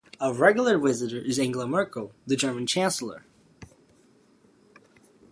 A regular visitor is Angela Merkel, the German chancellor.